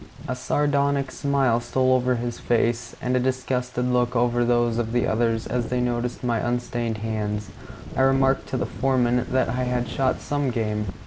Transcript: A sardonic smile stole over his face, and a disgusted look over those of the others, as they noticed my unstained hands. I remarked to the foreman that I had shot some game.